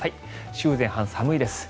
週前半、寒いです。